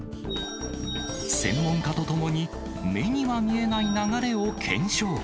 専門家と共に、目には見えない流れを検証。